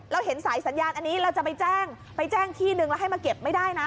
เห็นสายสัญญาณอันนี้เราจะไปแจ้งไปแจ้งที่นึงแล้วให้มาเก็บไม่ได้นะ